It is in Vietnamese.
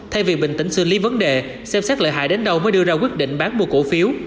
thay vì bình tĩnh xử lý vấn đề xem xét lợi hại đến đâu mới đưa ra quyết định bán mua cổ phiếu